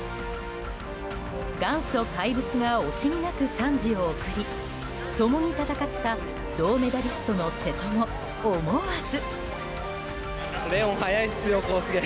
元祖怪物が惜しみなく賛辞を送り共に戦った銅メダリストの瀬戸も思わず。